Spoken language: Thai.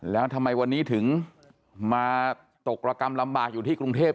แล้วทำไมวันนี้ถึงมาตกระกรรมลำบากอยู่ที่กรุงเทพ